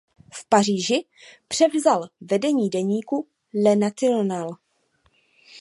V Paříži převzal vedení deníku "Le National".